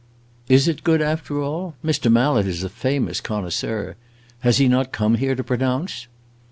"Is it good, after all? Mr. Mallet is a famous connoisseur; has he not come here to pronounce?"